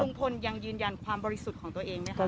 ลุงพลยังยืนยันความบริสุทธิ์ของตัวเองไหมคะ